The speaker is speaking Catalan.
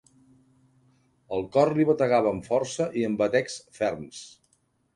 El cor li bategava amb força i amb batecs ferms.